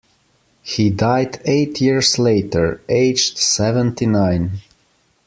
He died eight years later, aged seventy-nine.